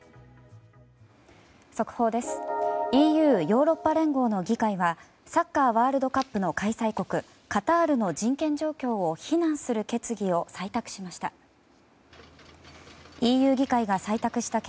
ＥＵ・ヨーロッパ連合の議会はサッカーワールドカップの開催国カタールの人権状況を非難する決議を採択しました。